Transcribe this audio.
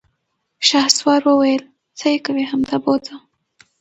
شهسوار وويل: څه يې کوې، همدا بوځه!